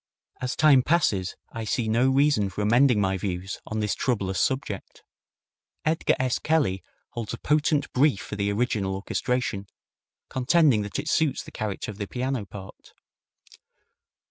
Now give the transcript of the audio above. As time passes I see no reason for amending my views on this troublous subject. Edgar S. Kelly holds a potent brief for the original orchestration, contending that it suits the character of the piano part.